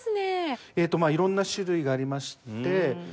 えっとまあ色んな種類がありまして。